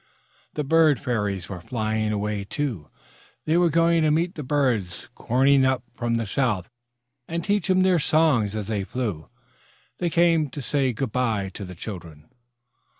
The Bird Fairies were flying away, too. They were going to meet the birds corning up from the south and teach them their songs as they flew. They came to say good by to the children.